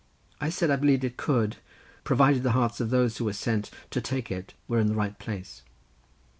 I said I believed it could, provided the hearts of those who were sent to take it were in the right place.